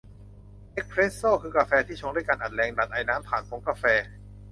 เอสเพรสโซ่ คือกาแฟที่ชงด้วยการอัดแรงดันไอน้ำผ่านผงกาแฟ